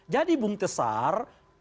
jadi bum tesar